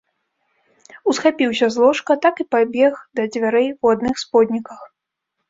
Усхапіўся з ложка, так і пабег да дзвярэй у адных сподніках.